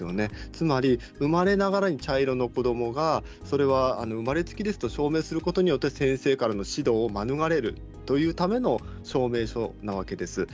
つまり生まれながらに茶色の子どもがそれは生まれつきですと証明することによって先生からの指導を免れるというための証明書なわけです。